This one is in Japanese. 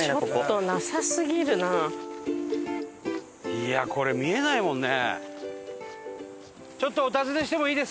いやこれ見えないもんね。